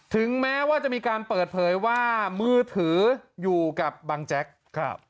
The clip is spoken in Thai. ถึงแม้ว่าจะมีการเปิดเผยว่ามือถืออยู่กับบังแจ๊กครับ